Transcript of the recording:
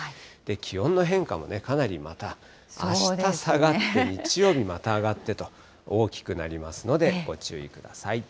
気温の変化もかなりまた、あした下がって、日曜日また上がってと、大きくなりますのでご注意ください。